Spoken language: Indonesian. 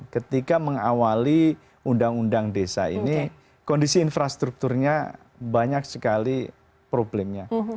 ketika mengawali undang undang desa ini kondisi infrastrukturnya banyak sekali problemnya